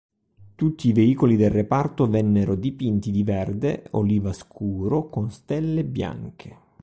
Tutti i veicoli del reparto vennero dipinti di verde oliva scuro con stelle bianche.